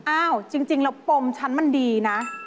อ้าวจริงแล้วปมฉันมันดีนะ